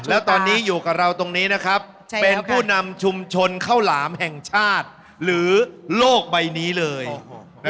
แล้วตอนนี้อยู่กับเราตรงนี้นะครับเป็นผู้นำชุมชนข้าวหลามแห่งชาติหรือโลกใบนี้เลย